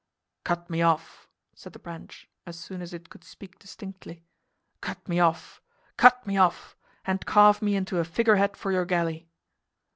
"Cut me off!" said the branch, as soon as it could speak distinctly; "cut me off! cut me off! and carve me into a figurehead for your galley."